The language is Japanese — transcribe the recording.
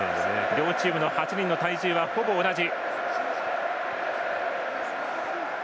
両チームの８人の体重はほぼ同じ。